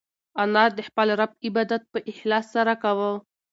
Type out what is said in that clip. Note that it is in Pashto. انا د خپل رب عبادت په اخلاص سره کاوه.